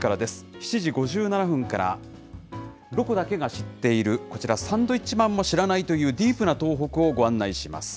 ７時５７分から、ロコだけが知っている、こちらサンドウィッチマンも知らないというディープな東北をご案内します。